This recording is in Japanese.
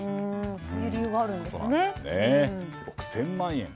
そういう理由があるんですね。